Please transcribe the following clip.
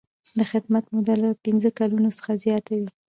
د خدمت موده له پنځه کلونو څخه زیاته وي.